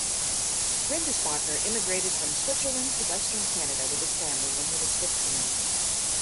Rindisbacher emigrated from Switzerland to western Canada with his family when he was fifteen.